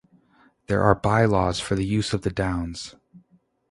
There are bylaws for the use of the Downs.